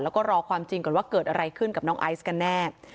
แล้วก็รอความจริงก่อนว่าเกิดอะไรขึ้นกับน้องไอซ์กันแน่